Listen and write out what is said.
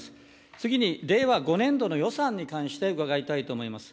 次に、令和５年度の予算に関して伺いたいと思います。